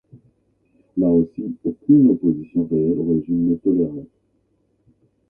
Là aussi, aucune opposition réelle au régime n'est tolérée.